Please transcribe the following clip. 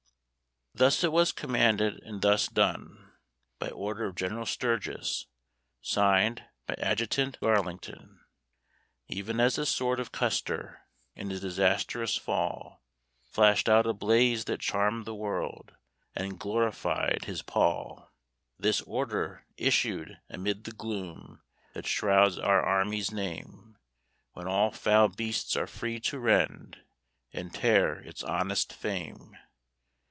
_ Thus it was Commanded and thus done, By order of General Sturgis, signed By Adjutant Garlington. Even as the sword of Custer, In his disastrous fall, Flashed out a blaze that charmed the world And glorified his pall. This order, issued amid the gloom, That shrouds our army's name, When all foul beasts are free to rend And tear its honest fame.